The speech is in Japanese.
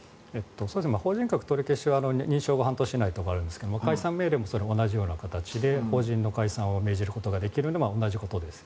法人格取り消しは認証が半年以内とかあるんですが解散命令も同じような形で法人の解散を命じることができるのは同じことです。